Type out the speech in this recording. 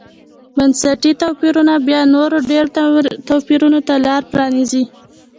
بنسټي توپیرونه بیا نورو ډېرو توپیرونو ته لار پرانېزي.